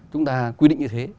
chúng ta quy định như thế